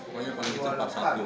pokoknya yang paling kecil empat satu